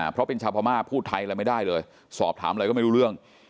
เพราะเป็นชาวพม่าพูดไทยอะไรไม่ได้เลยสอบถามอะไรก็ไม่รู้เรื่อง